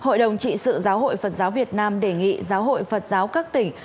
hội đồng trị sự giáo hội phật giáo việt nam đề nghị giáo hội phật giáo các tỉnh